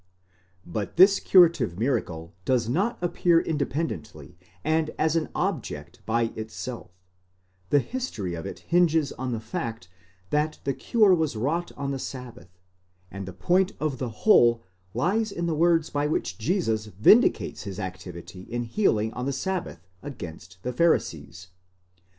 "5 But this curative miracle does not appear independently and as an object by itself: the history of it hinges on the fact that the cure was wrought on the Sabbath, and the point of the whole lies in the words by which Jesus vindi cates his activity in healing on the Sabbath against the Pharisees.